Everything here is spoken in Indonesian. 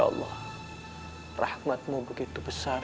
aku harus mencari tawaran